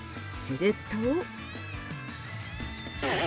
すると。